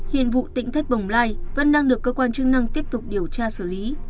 hiện vụ tỉnh thất bồng lai vẫn đang được cơ quan chức năng tiếp tục điều tra xử lý